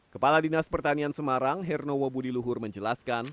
kepala dinas pertanian semarang hernowo budiluhur menjelaskan